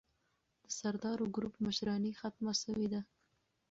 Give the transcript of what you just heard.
د سردارو ګروپ مشراني ختمه سوې ده.